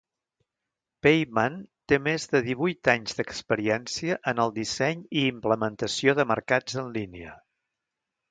Peyman té més de divuit anys d'experiència en el disseny i implementació de mercats en línia.